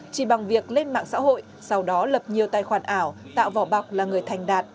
chỉ bằng việc lên mạng xã hội sau đó lập nhiều tài khoản ảo tạo vỏ bọc là người thành đạt